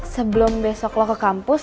sebelum besok lo ke kampus